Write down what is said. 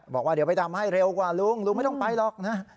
บอกว่าเดี๋ยวไปทำให้เร็วกว่าลุงลุงไม่ต้องไปหรอกนะ